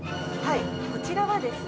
◆こちらはですね